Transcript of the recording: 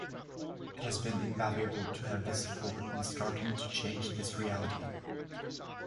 It has been invaluable to have this support in starting to change this reality.